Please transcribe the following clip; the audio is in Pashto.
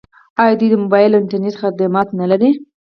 آیا دوی د موبایل او انټرنیټ خدمات نلري؟